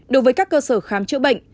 đối với các cơ sở khám chữa bệnh